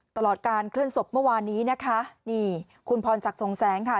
ตลอดการเคลื่อนศพเมื่อวานนี้นะคะนี่คุณพรศักดิ์ทรงแสงค่ะ